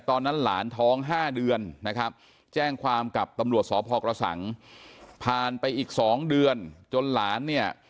ตอนนั้นหลานท้อง๕เดือนนะครับแจ้งความกับตำรวจสพกระสังผ่านไปอีก๒เดือนจนหลานเนี่ย